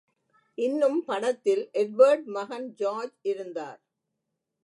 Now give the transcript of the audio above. இன்னும் படத்தில் எட்வர்ட் மகன் ஜார்ஜ் இருந்தார்.